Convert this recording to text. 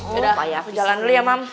yaudah jalan dulu ya mam